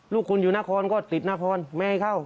ลูกคุณอยู่นครก็ติดนครไม่ให้เข้า